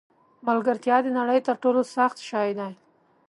ملګرتیا د نړۍ تر ټولو سخت شی دی.